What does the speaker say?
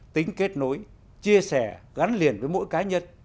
tính kết nối chia sẻ gắn liền với mỗi cá nhân